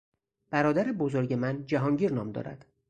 برادر بزرگ من جهانگیر نام دارد.